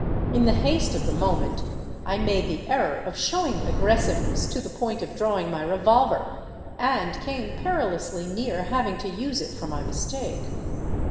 In the haste of the moment I made the error of showing aggressiveness to the point of drawing my revolver — and came perilously near having to use it for my mistake.